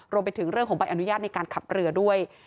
รวมไปถึงเรื่องของใบอนุญาตในการขับเรือด้วย